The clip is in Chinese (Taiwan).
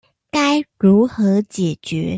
該如何解決